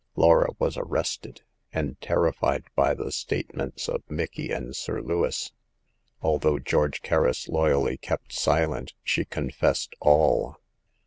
Laura was arrested, and, terrified by the state ments of Micky and Sir Lewis, although George Kerris loyally kept silent, she confessed all.